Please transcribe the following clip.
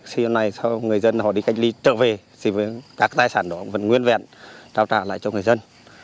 sau này người dân họ đi cách ly trở về thì các tài sản đó vẫn nguyên vẹn trao trả lại cho người dân